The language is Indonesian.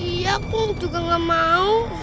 iya aku juga gak mau